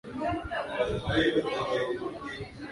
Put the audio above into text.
watu hudhani kuwa sukari husababishwa na kisukari